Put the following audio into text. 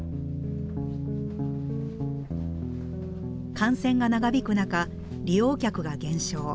感染が長引く中利用客が減少。